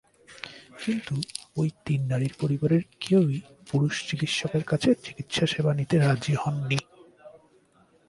কিন্তু ওই তিন নারীর পরিবারের কেউই পুরুষ চিকিৎসকের কাছে চিকিৎসাসেবা নিতে রাজি হননি।